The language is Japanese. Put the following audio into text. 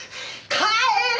帰れ！